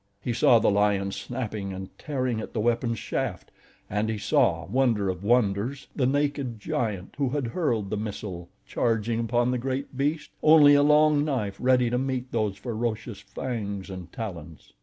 He saw the lion snapping and tearing at the weapon's shaft, and he saw, wonder of wonders, the naked giant who had hurled the missile charging upon the great beast, only a long knife ready to meet those ferocious fangs and talons.